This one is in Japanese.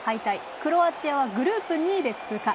クロアチアはグループ２位で通過。